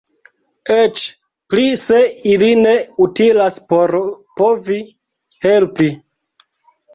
Eĉ pli se ili ne utilas por povi helpi.